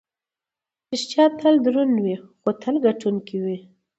ریښتیا تل دروند وي، خو تل ګټونکی وي.